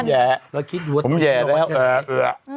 ผมแหย่แล้วเออเออ